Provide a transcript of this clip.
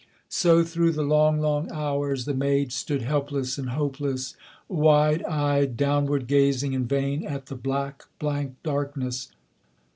So through the long long hours the maid stood helpless and hopeless, Wide eyed, downward gazing in vain at the black blank darkness.